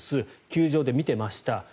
球場で見てました。